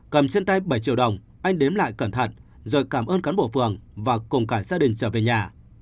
cầm trên tay bảy triệu đồng anh đếm lại cẩn thận rồi cảm ơn cán bộ phường và cùng cả gia đình trở về nhà